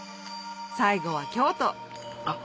最後は京都あっ